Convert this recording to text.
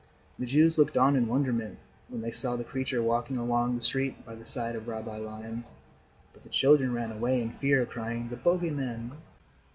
The Jews looked on in wonderment when they saw the creature walking along the street by the side of Rabbi Lion, but the children ran away in fear, crying: "The bogey man."